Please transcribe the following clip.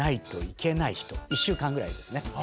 １週間ぐらいですね。